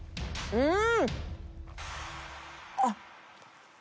うん。